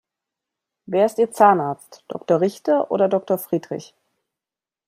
Wer ist ihr Zahnarzt? Doktor Richter oder Doktor Friedrich?